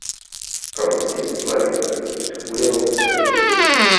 From this place to Will-Tree.